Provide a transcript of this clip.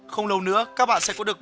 không lâu nữa các bạn sẽ có được